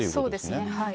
そうですね。